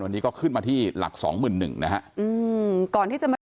วันนี้ก็ขึ้นมาที่หลัก๒๑๐๐๐นะครับ